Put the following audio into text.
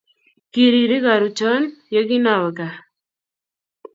Kiriri karuchon ye kinawe kaa